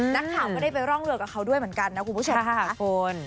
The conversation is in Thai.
นักข่าวก็ได้ไปร่องเรือกับเขาด้วยเหมือนกันนะคุณผู้ชมค่ะคุณ